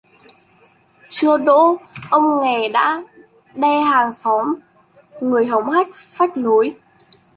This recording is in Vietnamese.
Chưa đỗ ông nghè đã đe hàng xóm: người hống hách, phách lối